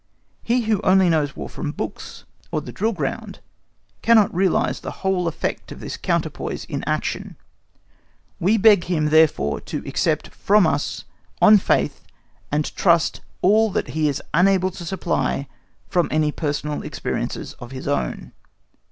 He who only knows War from books or the drill ground cannot realise the whole effect of this counterpoise in action; _we beg him, therefore, to accept from us on faith and trust all that he is unable to supply from any personal experiences of his own.